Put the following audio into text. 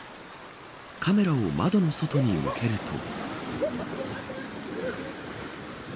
カメラを窓の外に向けると。